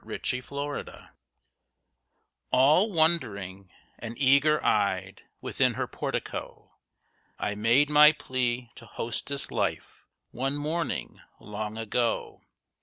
THE HOUSE OF LIFE All wondering, and eager eyed, within her portico I made my plea to Hostess Life, one morning long ago.